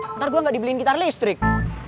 nanti gue nggak dibeliin gitar listrik